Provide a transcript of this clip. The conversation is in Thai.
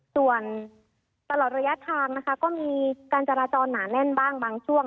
ส่วนตลอดระยะทางนะคะก็มีการจราจรหนาแน่นบ้างบางช่วง